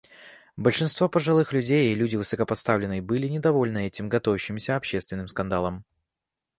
Большинство пожилых людей и люди высокопоставленные были недовольны этим готовящимся общественным скандалом.